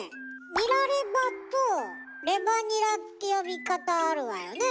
「ニラレバ」と「レバニラ」って呼び方あるわよね。